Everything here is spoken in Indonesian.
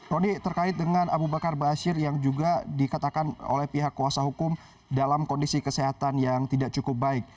roni terkait dengan abu bakar basir yang juga dikatakan oleh pihak kuasa hukum dalam kondisi kesehatan yang tidak cukup baik